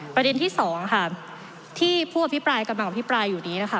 ประเด็นที่สองค่ะที่ผู้อภิปรายกำลังอภิปรายอยู่นี้นะคะ